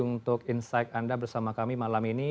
untuk insight anda bersama kami malam ini